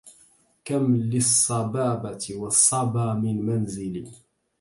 كم للصبابة والصبا من منزل